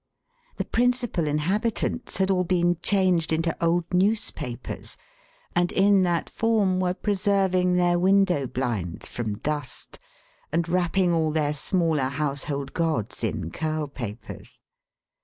The principal inhabitants had all been changed into old newspapers, and in that form were preserving their window blinds from dust, and wrapping all their smaller household gods in curl papers.